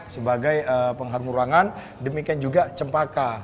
sebagai pengharum ruangan demikian juga cempaka